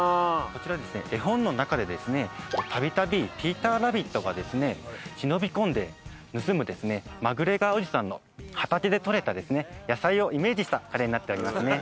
こちら絵本の中でたびたびピーターラビットが忍び込んで盗むマグレガーおじさんの畑で採れた野菜をイメージしたカレーになっております。